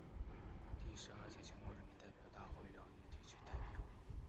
第十二届全国人民代表大会辽宁地区代表。